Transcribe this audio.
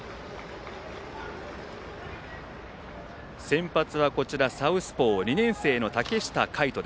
先発はサウスポー２年生の竹下海斗。